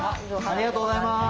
ありがとうございます。